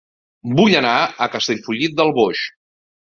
Vull anar a Castellfollit del Boix